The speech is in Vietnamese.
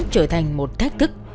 trở thành một thách thức